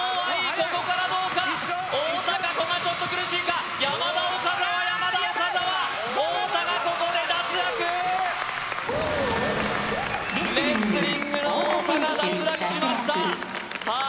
ここからどうか太田か古賀ちょっと苦しいか山田岡澤山田岡澤太田がここで脱落レスリングの太田が脱落しましたさあ